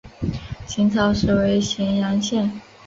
秦朝时为咸阳县。